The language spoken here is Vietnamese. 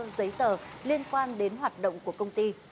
giấy tờ liên quan đến hoạt động của công ty